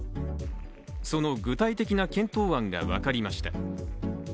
その具体的な検討案が分かりました。